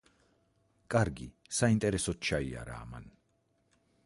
კარგი, საინტერესოდ ჩაიარა ამან.